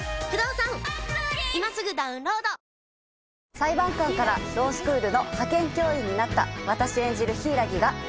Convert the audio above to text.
裁判官からロースクールの派遣教員になった私演じる柊木が。